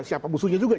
siapa musuhnya juga